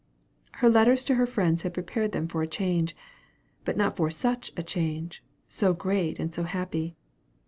Her letters to her friends had prepared them for a change, but not for such a change so great and so happy.